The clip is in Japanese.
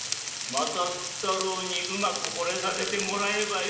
福太郎にまたうまくほれさせてもらえばよい。